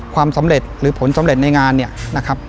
ความสำเร็จหรือผลสำเร็จในงานเนี่ยนะครับ